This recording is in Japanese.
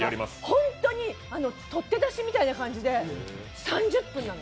ホントに撮って出しみたいな感じで３０分なの。